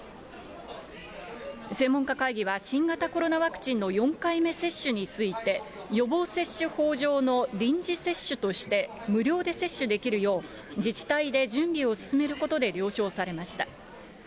専門家会議は、新型コロナワクチンの４回目接種について、予防接種法上の臨時接種として無料で接種できるよう、自治体で準備を進めることで了承されました。